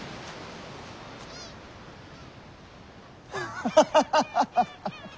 ハハハハハ！